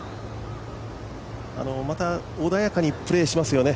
また穏やかにプレーしますよね